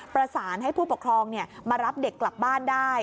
ประสานให้ผู้ปกครองมารับเด็กกลับบ้านได้